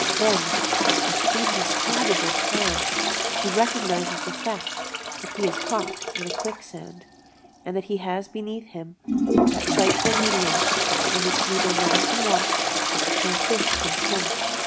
Then, with indescribable terror, he recognizes the fact that he is caught in a quicksand, and that he has beneath him that frightful medium in which neither man can walk nor fish can swim.